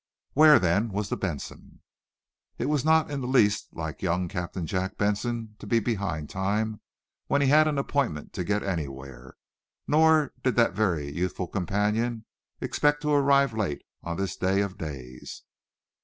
Where, then, was the "Benson?" It was not in the least like young Captain Jack Benson to be behind time when he had an appointment to get anywhere. Nor did that very youthful companion expect to arrive late on this day of days.